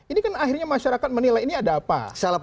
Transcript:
ini kan akhirnya masyarakat menilai ini ada apa